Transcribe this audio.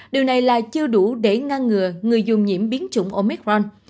điều này là chưa đủ để ngăn ngừa người dùng nhiễm biến chủng omicron